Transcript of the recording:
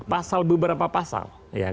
pasal beberapa pasal